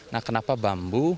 nah kenapa bambu